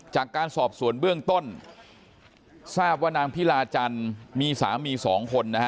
จากการสอบสวนเบื้องต้นทราบว่านางพิลาจันทร์มีสามีสองคนนะฮะ